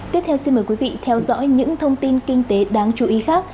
tiếp theo xin mời quý vị theo dõi những thông tin kinh tế đáng chú ý khác